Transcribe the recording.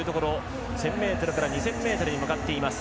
１０００ｍから２０００ｍに向かっています。